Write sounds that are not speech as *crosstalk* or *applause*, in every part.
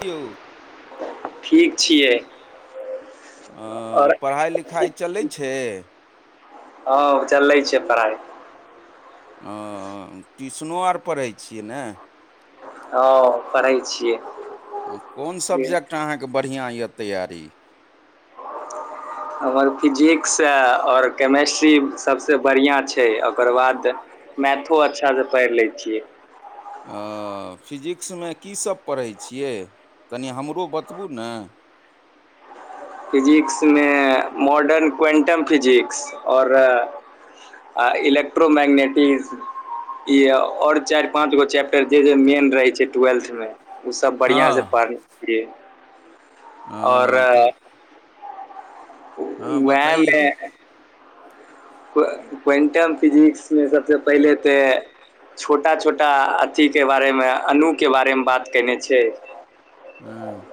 कि यौ- ठीक छियै हँ आओर पढ़ाइ लिखाइ चलै छै हँ चलै छै पढ़ाइ ओ ट्यूशनो आर पढ़ै छियै ने हँ पढ़ै छियै हँ कोन सबजेक्ट अहाँके बढ़िआँ यए तैयारी हमर फिजिक्स अय ओर केमेस्ट्री सभसे बढ़िआँ छै ओकर बाद मैथो अच्छासे पढ़ि लै छियै ओ फिजिक्समे की सब पढ़ै छियै तनि हमरो बतबू ने फिजिक्समे मॉडर्न क्वैन्टम फिजिक्स और आ इलेकट्रोमैग्नेटीज ई और चारि पाँच गो चैप्टर जे जे मेन रहै छै ट्वेल्थ में उ सब बढ़िआँ हँ से पढ़ै छीयै और तऽ हँ बताइयौ वैहमे क्वैंटम फिजिक्स मे सबसे पहिले तेऽ छोटा छोटा अथीके बारेमे अणुके बारेमे बात केयने छै हँ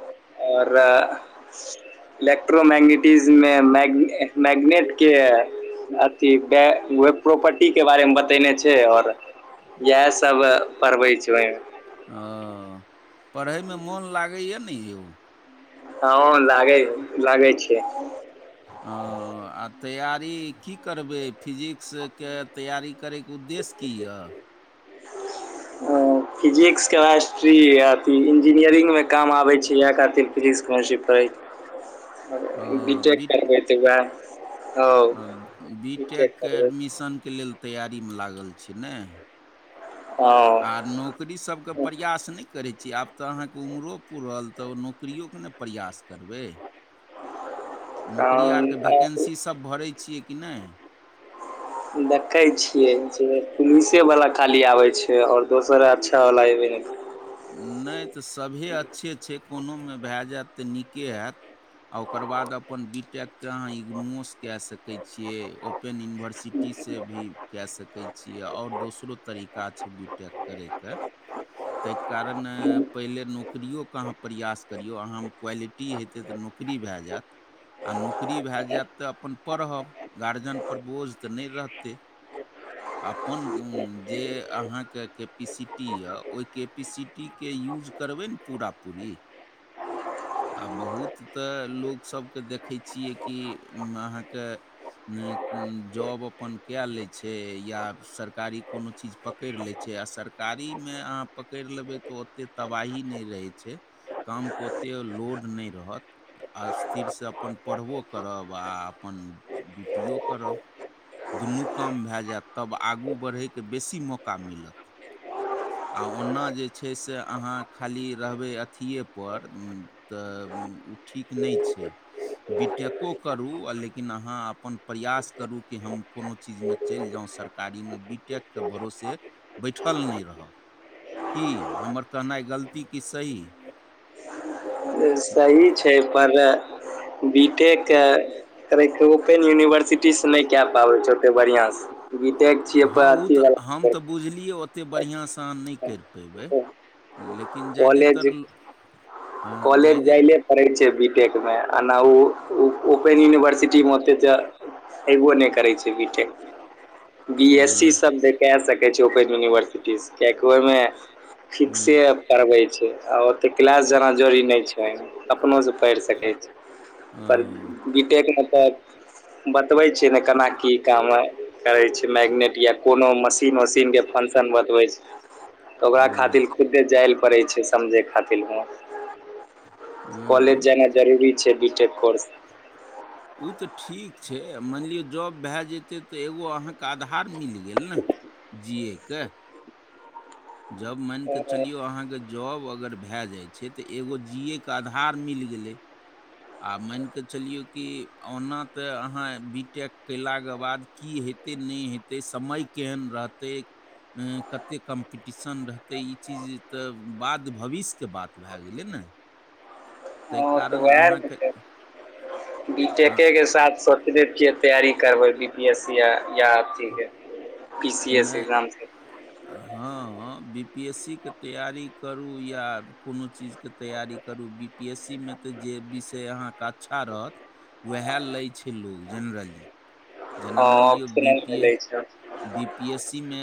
और इलेक्ट्रोमैगनेट टीजमें मैगनेटके अथी वैह प्रॉपर्टीके बारेमे बतैने छै ओर इएह सब पढ़बै छै वैं ओ पढ़ैमे मोन लागैए ने यौ हँ लागैहै- लागे छै ओ तैयारी की करबै फिजिक्सके? तैयारी करैके उद्देश्य की यऽ? ओ फिजिक्स, केमिस्ट्री, आर कि इन्जीनियरिंगमे काम आबै छै, इएह खातिर फिजिक्स, केमिस्ट्री पढ़ै छै। बीटेक बी करबै तऽ उएह बी टेकके करबै एडमिशनके लेल तैयारीमे लागल छै ने ओ आ नौकरी सबके प्रयास नहि करै छी? आब तऽ अहाँके उमरो पूरल, तऽ ओ नौकरियोके ने प्रयास करबै, नौकरी कारण आरके भैकेन्सी सब भरै छियै कि नहि? देखै छियै, जे पुलिसेवला खाली आबै छै। ओर दोसर अच्छा वाला ऐबे ने करले। नहि तऽ सभेये अच्छे छै, कोनोमे भए जायत तऽ नीके हैत। ओकर बाद अपन बी टेकके अहाँ इग्नोओस कए सकै छियै, ओ ओपेन यूनिवर्सिटी से भी के सके छिये, और दोसरो तरीका छैय बी टैक, करैके। ताहि कारणे पहिले नौकरीयोके अहाँ प्रयास करियौ, अहाँ क्वालिटी हेतै तऽ, नौकरी फ़्री भाए जायत। आ नौकरी भाए जायत तऽ अपन पढ़ब, गार्जियनपर बोझ तऽ नहि रहतै। अपन जे अहाँके के कैपिसिटी यऽ, ओहि कैपिसिटीके यूज करबै ने पूरा पूरी। आ बहुत तऽ लोकसभकेँ देखै छियै कि, उ अहाँके निक -नीक जॉब अपन कए ले छैय, या सरकारी कोनो चीज पक पकड़ि ले छैय, आ सरकारीमे अहाँ पकड़ि लेबै तऽ, ओतेक तबाही नहि रहै छैय। कामके ओतेक लोड नहि रहत। स्थिरसँ अपन पढ़बो करब, आ अपन ड्यूटिओ करब। दुनू काम भए जायत, तब आगू बढ़यके बेसी मौका मिलत। आ ओना जे छैय से, अहाँ खाली रहबै अथिये पर। तऽ ओ ठीक नहि छैय। बीटेको करू, आ लेकिन अहाँ अपन प्रयास करू कि हम कुनो चीजमे चलि जाउ सरकारीमे, बीटेकके भरोसे बैठल नहि रहब। कि हमर कहनाइ गलती कि सही? सही छैय, पर बीटेकके कए पाबै छै ओते बढ़ियां से बी टेक *unintelligible* छियै पर हाँ ओ अथी तऽ वाला हम तऽ बुझलियै ओतेक बढ़िआँसँ अहाँ नहि करि पयबै, लेकिन कॉलेज ज्यादातर लो कॉलेज जाइले करै छैय बीटेकमे, एना नहि ओ ओपेन यूनिवर्सिटीमे ओते त हेबो नहि करै छै बीटेक। बी एस सी हँ सब कै सकै छैय ओपन यूनिवर्सिटी सँ, कियकि ओहिमे हुँ। होइ छैय, आ ओतेक क्लास जेना जरुरी नहि छैय, अपनोसँ पढ़ि सकै छैय। ओ। बीटेकमे तऽ बतबै छैय नै, केना कि काम करै छैय, मैगनेट या कोनो मशीन -उशीन के फश बतबै छैय, तऽ ओकरा हँ खातिर खुद जा पड़ै छैय समझै खातिर हॅं, कॉलेज हँ जेनाइ जरूरी छैय बीटेक कोर्समे, से उ तऽ ठीक छैय मानि लिअ जॉब भए जेतै तऽ एगो अहाँके आधार मिल गेल नेह। जियैके। जब मानिके चलियौ हँ अहाँके जॉब अगर भए जाइ छैय तऽ एगो जियैए के आधार मिल गेलै। आ मानिके चलिऔ कि ओना तऽ अहाँ बीटेक कयलाके बाद की हेतै नहि हेतै समय केहन रहतै कते कम्प कम्पिटिशन रहतै ई चीज तऽ बाद भविष्यके बात भए गेलै नह। उएह ने अहाँके छैय अं, बीटेके के साथ सोचने छियै। तैयारी करबै बी पी एस सी या इएह अथी के। नहि हाँ बी पी एस सी के तैयारी करू या कोनो चीज के तैयारी करू बी पी एस सी मे तऽ जे विषय अहाँके अच्छा रहत उएह लै छैय लोक जेनरली जना हँ मानि लियओ बी ऑप्शनल पी ए मिलै छै बी पी एस सी मे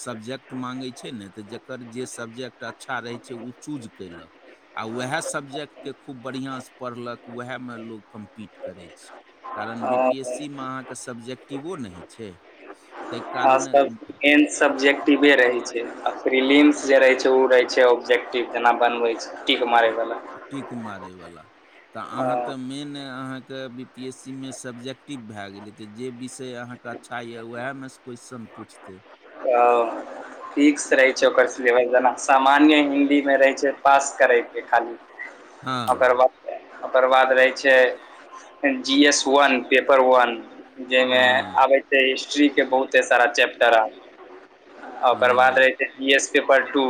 सब्जेक्ट माँगै छैय ने तऽ जकर जे सब्जेक्ट अच्छा रहै छैय ओ चूज कयलक। आ उएह सब्जेक्ट के खूब बढ़िआँ सँ पढ़लक उएहमे लोक कम्पीट करै छैय। कारण बी पी एस सी मे हँ अहाँके सब्जेक्टिवो ने होइ छैय। खास मेन सब्जेक्टिवे रहय छैय आ फ्रीलिंस जे रहय छैय रहै ओ रहै छैय ऑब्जेक्टिव जेना बनबै छैय टीक मारैबला। टीक मारैबला त अहाँ त मेन तऽ अहाँके बी पी एस सी मे सब्जेक्टिव भए गेलै तऽ जे विषय अहाँके अच्छा यऽ वएहमे क्वेश्चन पूछतै। आ फिक्स रहै छै ओकर सिलेबस जेना सामान्य हिन्दी मे रहै छै पास करैके खाली। हँ ओकर बाद ओकर बाद रहै *inaudible* छै जी एस वन पेपर वन *inaudible* ह जाहिमे आबै छै हिस्ट्रीके बहुते सारा चैप्टर आ ओकर बाद रहै छै पी एस पेपर टू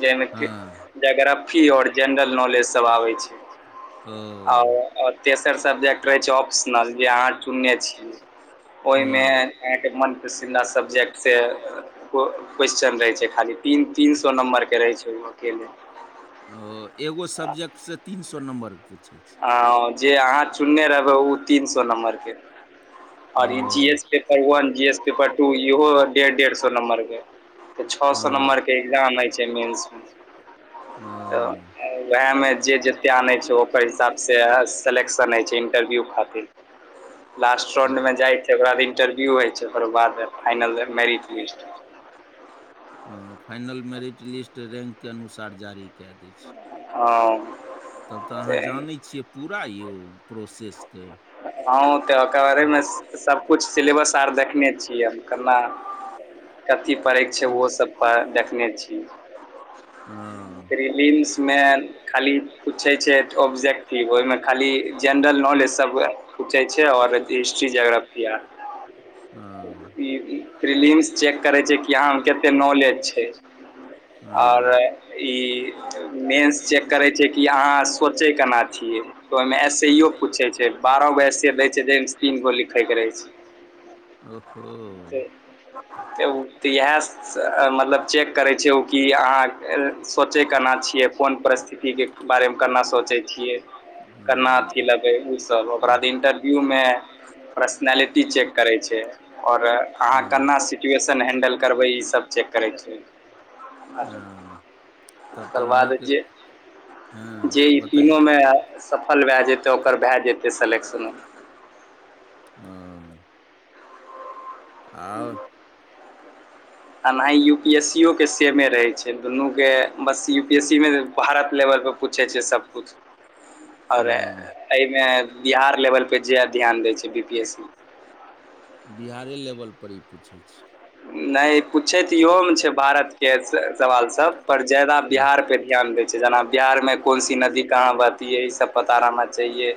जहिमे कि हँ जोग्राफी आओर जेनरल नॉलेजसभ आबै छै। ओ आओर तेसर सब्जेक्ट रहै छै ऑप्शनल जे अहाँ चुनने छियै ओहिमे हँ अहाँके मन पसिन्दा सब्जेक्ट से क्वेेशचन रहै छै खाली तीन तीन सौ नम्बरके रहै छै ओ अकेले। ओ एगो सब्जेक्टसँ तीन सौ नम्बरके पूछैत ह जे अहाँ चुनने रहबै ओ तीन सौ नम्बरके आओर ई ओ जी एस के पर one G S paper two इहो डेढ़ डेढ़ सौ नम्बर के तऽ छ सौ नम्बर के एग्जाम होइ छै मेन्स मे ओ तऽ वएह मे जे जते आनै छै ओ ओकर हिसाब सँ सेलेक्शन होइ छै इन्टरव्यू खातिर। लास्ट राउण्डमे जाइ छै ओकरा इन्टरव्यू होइ छै ओकर बाद फाइनल मेरिट लिस्ट हँ फाइनल मैरिट लिस्ट, रैंक के अनुसार जारी कए दै छै। हँ तब तऽ अहाँ जानै छियै पूरा यौ प्रोसेसके। हँ तैं ओकरा बारेमे सबकुछ सिलेबस आर देखने छियै हम, कना कथी पढ़ैक छै, ओहो सब पर देखने छी। हँऽ प्रिलिन्स मैन खाली पूछै छै ऑब्जेक्टिव, ओहिमे खाली जेनरल नॉलेज सब हुए। पुछय छय ओ *unintelligible* *unintelligible* ई प्रिलिम्स चेक करै छै, कि अहाँ कते नॉलेज छै। अओर ई मेन्स चेक करै छै, कि अहाँ सोचै कना छियै। तऽ ओहिमे एसईयो पूछे छै, बारहगो एसए भे जै तय में स तीन गो लिखइके रहै छै। ओहो ओ तें उ तऽ इएह मतलब चेक करै छै, ओ कि अहाँ सोचै कना छियै, कोन परिस्थितिके बारेमे कना सोचै छियै। केना अथी ओ लेगै उसब, ओकर बाद इंटरव्यूमे पर्सनैलिटी चेक करै छै। अओर अहाँ हँ केना सिचुएशन हैंडल करबै, ईसब चेक करै छै। आ जों हँ तब तऽ ओकर बाद अहाँके जे, हँ जे ई बताइ तिनोमे सफल भए जेतै, ओकर भए जेतै सलेक्शनो। हँ आउ एनाहि यू पी एस सी ओ के सेमे रहै छै, दुनू के बस यू बेसी में भारत लेवलपर पूछै छै सबकुछ। औरे हँ एहिमे बिहार लेवलपर ज्यादा ध्यान दै छै बी पी एस सी। बिहारे लेवलपर ई पूछै छै। नहि पूछै तऽ इहोमे छै भारतके सवाल सब, पर फंसे ज्यादा हँ हँ बिहार पे ध्यान दै छै, जेना बिहारमे कोनसी नदी कहाँ बहति है, ई सब पता रहना चाहिए।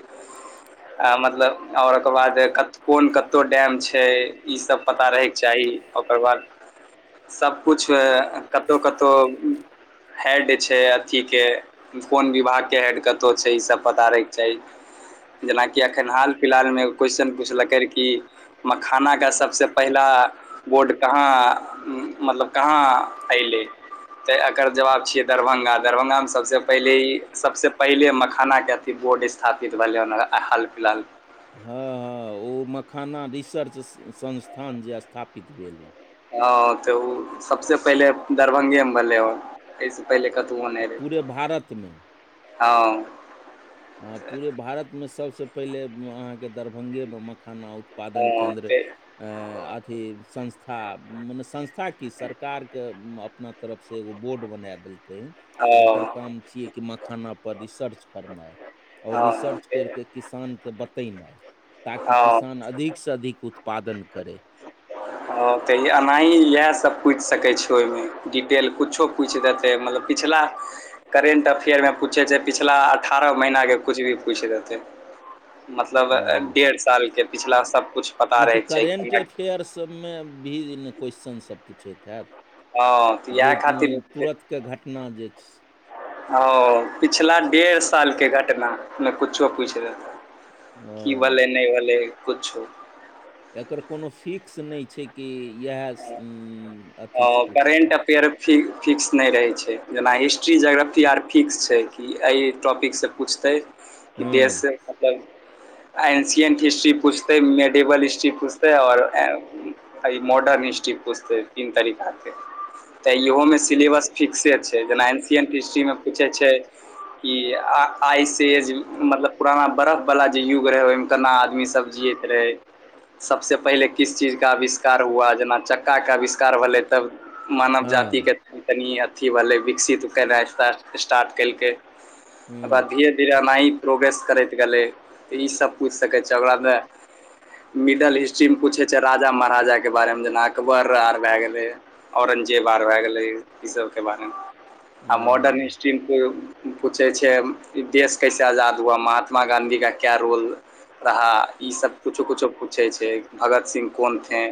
आ मतलब और ओकर बाद कत कोन कतौ डैम छै, ईसब पता रहयके चाही। ओकर बाद सबकुछ कतौ-कतौ हैड छै अथीके कोन विभाग के हेड कतो छै, ईसब पता रहयके चाही। जेनाकि एखन हाल-फिल्हाल में एगो क्वेशचन पुछलकैर कि मखाना का सबसे पहिला बोर्ड कहाँ मतलब कहाँ अएलै। तऽ एकर जवाब छियै दरभंगा, दरभंगा में सबसे पहिले ई सबसे पहिले मखाना के ई बोर्ड स्थापित भेलै, हं ओनहर हाल-फिल्हाल हँ-हँ ओ मखाना रिसर्च स-संस्थान जे स्थापित भेलै। हँ तऽ उ सबसे पहिले दरभंगे में भेलै हन। एहिसे पहिले कतहूओ नहि रहै। पूरे भारतमे हँ हँ पूरे भारत में सबसँ पहिले अहाँके दरभंगे में मखाना उत पादन हँ केन्द्र ऐं आथी संस्था मने संस् थाकि सरकार के अपना तरफसँ एगो बोर्ड बना देल दै जकर काम छियै कि मखाना पर रिसर्च करनाइ और हँ रिसर्च हँ कैर के किसान के बतयनाइ ताकि हँ किसान अधिक सँ अधिक उत्पादन करय। हँ तऽ यै एनाही इएह सब पूइछ सकै छै ओहि में डिटेल कुछो पुइछ देतै मतलब पिछला करेन्ट अफेयर में पूछै छै पिछला अठारह महिना के कुछ भी पूइछ देतै मतलब अ हँ ऐ साल के पिछला सबकुछ ई तऽ रहैके चाही करेंट केना अफेयर सभमें भी ज नै क्वेश्चन सभ पूछैत हैत। हँ तऽ इएह जे खातिर तुरत के घटना जे छ औ पिछला डेढ़ साल के घटना में कुछो पूइछ देताै। की ओ भलै नै भलै कुछो। एकर कोनो फिक्स नइ छै, कि इएह स ऊं अथी सँ करेंट पुछतै। अफेयर फि फिक्स नहि रहै छै, जेना हिस्ट्री, जोग्रफी आर फिक्स छै, कि एहि टॉपिक सँ पूछतै कि देश हँ मतलब आ एन्शियन्ट हिस्ट्री पुछतै मेडिवल हिस्ट्री पूछतै और ऐ ई मॉर्ड डन हिस्ट्री पुछतै तीन तरीका के तऽ इहो में सिलेबस फिक्से छै जेना एन्शिएन्ट हिस्ट्री में पूछै छै, ई आ-आइसे ज मतलब पुराना बर्फवला जे युग रहै ओहि में केना आदमी सब जियैत रहै सबसे पहले किस चीज का अविष्कार हुआ जेना चक्का के अविष्कार भलै तब मानव हँ जाति के तनि अथी भलै विकसित केनाइ स् स्टार्ट केल कै। हँ तबाद धीरे-धीरे अनाही। प्रोग्रेस करैत गलै तऽ ई सब पूइछ सकै छै, ओकरा में मिडल इस्ट ट्री में पूछै छै राजा-महाराजा के बारे में अकबर आर भए गेलै औरंगजेब आर भए गेलै ई सबके बारे में। आ मॉर्डन ओ हिस ट्री पूछै छै देश कैसे आजाद हुआ महात्मा गाँधी का क्या रोल रहा ई सब कुछो-कुछो पूछै छै भगत सिंह कौन थे।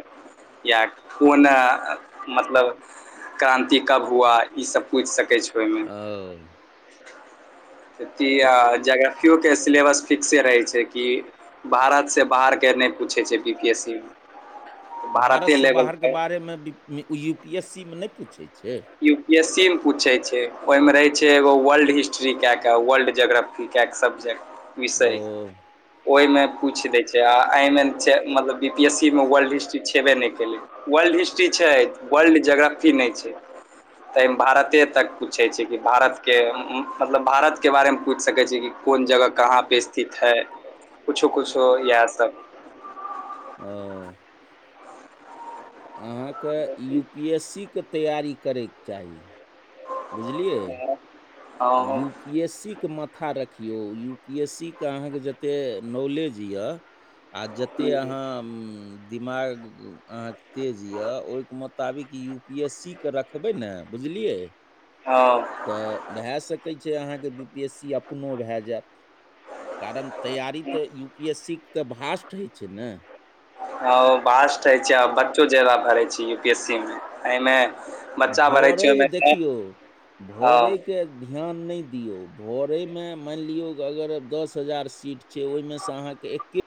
या कोन आ मतलब क्रान्ति कब हुआ ईसभ पूइछ सकै छै। ओय में ओ ती तऽ आ जग केओ के सिलेबस फिक्से रहै छै, कि भारत से बाहर के नहि पूछै छै, B, P, S, C Bharat भारते सँ लेवल बाहरके पे बारे में यू, पी, एस, सी में नहि पूछै छै। यू, पी, एस, सी, में पूछै छै, ओहिमें रहय छै, एगो वर्ल्ड हिस्ट्री कए के वर्ल्ड जोग्रफी- क -क सब्जेक्ट ओ विषय ओइमे पूइछ दै छै, आ एहिमे मतलब बी, पी, एस सी, मे वर्ल्ड हिस्ट्री छेबे नै केललै वर्ल्ड हिस्ट्री छै, वर्ल्ड ज्योग्राफी नहि छै। ताइ मे भारते तक पूछैत छै, कि भारत के मतलब भारत के बारेमे पूईछ सकैत छी, कि कोन जगह कहाँपर स्थित है कुछो- किुछो इएह सब ओ त यू, पी, एस सी, के तैआरी करैके चाही बुझलियै। यूप हँ यू पीएस सी के माथा रखिऔ यू पीएस सी के अहाँके जतेक नॉलेज यऽ आ जतेक अहाँ दिमाग। अहाँके तेज यऽ ओहिके मोताबिक यू पी एस सी के रखबै ने बुझलियै। आ। तऽ भए सकै छै। अहाँके विदेशी अपनो भए जायत। कारण तैयारी तऽ यू पी एस सी के तऽ भास्ट होइ छै ने। ह बाजट होइ छै। आ बच्चो जाादा पढ़ै छै। यू पी एस सी मे एहिमे बच्चा भरै छै भरे ओहिमे देखियौ भरैके। ध्यान नहि दियौ। भरैमे मानि लियौ। अगर द हजार सीट से ओहिमेसँ अहाँके एके